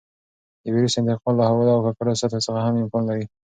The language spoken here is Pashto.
د وېروس انتقال له هوا او ککړو سطحو څخه هم امکان لري.